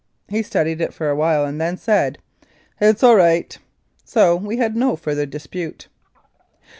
He studied it for a while, and then said, "It's all right," so we had no further dispute.